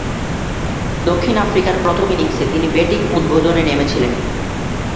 দক্ষিণ আফ্রিকার প্রথম ইনিংসে তিনি ব্যাটিং উদ্বোধনে নেমেছিলেন।